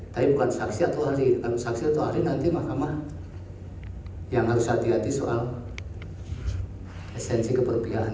tapi bukan saksi atau ahli ahli nanti mahkamah yang harus hati hati soal esensi keperpihakan